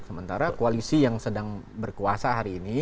sementara koalisi yang sedang berkuasa hari ini